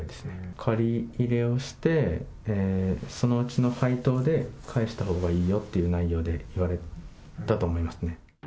借り入れをして、そのうちの配当で返したほうがいいよっていう内容で言われたと思いますね。